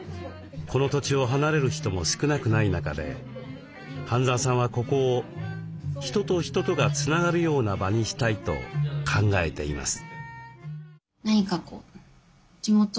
この土地を離れる人も少なくない中で半澤さんはここを人と人とがつながるような場にしたいと考えています。